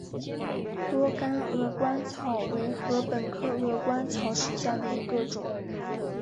多秆鹅观草为禾本科鹅观草属下的一个种。